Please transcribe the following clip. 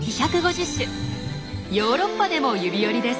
ヨーロッパでも指折りです。